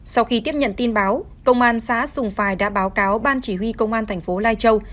sau khi tiếp nhận tin báo công an xã sùng phài đã báo cáo ban chỉ huy công an thành phố lai châu